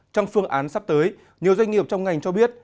trong phương án sắp tới nhiều doanh nghiệp trong ngành cho biết